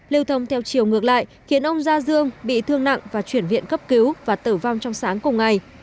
lưu thông theo chiều ngược lại khiến ông gia dương bị thương nặng và chuyển viện cấp cứu và tử vong trong sáng cùng ngày